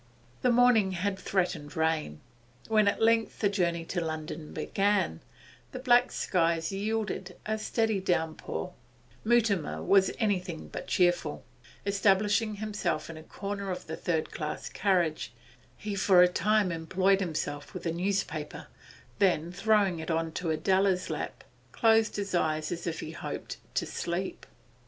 The morning had threatened rain; when at length the journey to London began, the black skies yielded a steady downpour Mutimer was anything but cheerful; establishing himself in a corner of the third class carriage, he for a time employed himself with a newspaper; then, throwing it on to Adela's lap, closed his eyes as if he hoped to sleep.